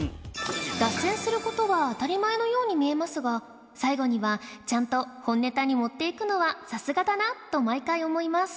脱線する事は当たり前のように見えますが最後にはちゃんと本ネタに持っていくのはさすがだなと毎回思います